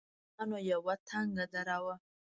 دا نو يوه تنگه دره وه.